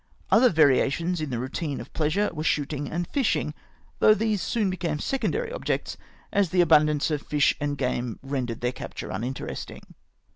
Other variations in the routme of pleasme, wei'e E 4 56 NORWEGIAN CUSTOMS. sliootiiig and fishing, tliougli these soon became se condary objects, as the abundance of fish and game rendered their capture uninterestmg.